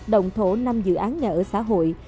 đồng thổ năm dự án nhà ở xã hội